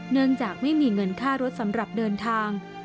เนื่องจากไม่มีเงินค่ารถสำหรับเดินทาง